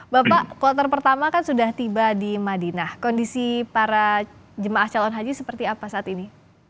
bapak kloter pertama kan sudah tiba di madinah kondisi para jemaah calon haji seperti apa saat ini